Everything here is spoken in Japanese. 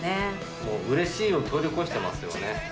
もううれしいを通り越してますよね。